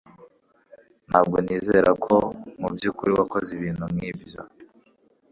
Ntabwo nizera ko mubyukuri wakoze ibintu nkibyo